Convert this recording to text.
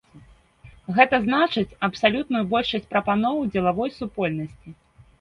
Гэта значыць, абсалютную большасць прапаноў дзелавой супольнасці.